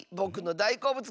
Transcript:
だいこうぶつ？